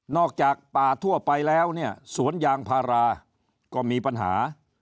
นอกจากป่าทั่วไปแล้วสวนยางพาราก็มีปัญหา